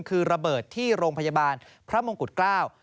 คือระเบิดที่โรงพยาบาลพระมงกุฎเกล้า